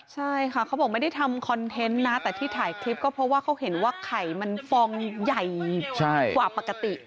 ใช่ค่ะเขาบอกไม่ได้ทำคอนเทนต์นะแต่ที่ถ่ายคลิปก็เพราะว่าเขาเห็นว่าไข่มันฟองใหญ่กว่าปกติ